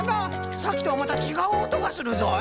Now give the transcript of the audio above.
さっきとはまたちがうおとがするぞい。